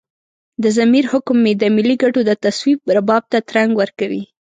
د ضمیر حکم مې د ملي ګټو د توصيف رباب ته ترنګ ورکوي.